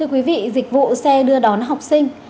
quý vị dịch vụ xe đưa đón học sinh